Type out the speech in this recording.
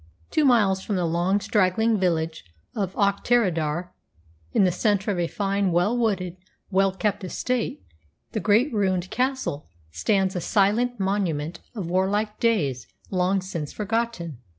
Two miles from the long, straggling village of Auchterarder, in the centre of a fine, well wooded, well kept estate, the great ruined castle stands a silent monument of warlike days long since forgotten.